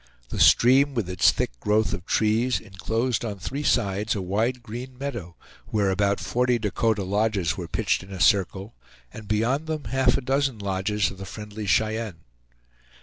The stream, with its thick growth of trees, inclosed on three sides a wide green meadow, where about forty Dakota lodges were pitched in a circle, and beyond them half a dozen lodges of the friendly Cheyenne.